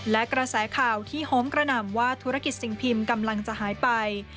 และกระแสข่าวที่โฮมกระหน่ำว่าธุรกิจสิ่งพิมพ์กำลังจะหายไป